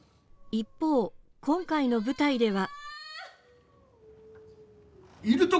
一方、今回の舞台では。